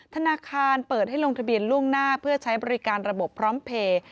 ธนาคารเปิดให้ลงทะเบียนล่วงหน้าเพื่อใช้บริการระบบพร้อมเพลย์